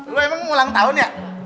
gue emang ulang tahun ya